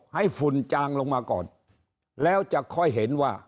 ฝุ่นจางลงมาก่อนแล้วจะค่อยเห็นว่า